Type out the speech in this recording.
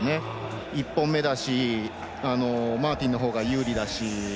１本目だしマーティンのほうが有利だし。